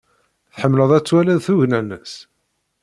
Tḥemmleḍ ad twaliḍ tugna-nnes?